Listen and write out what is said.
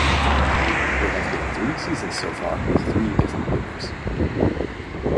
There have been three seasons so far with three different winners.